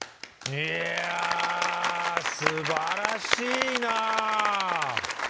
いやすばらしいなあ！